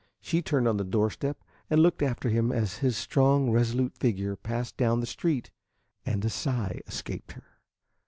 She turned on the doorstep and looked after him as his strong, resolute figure passed down the street, and a sigh escaped her.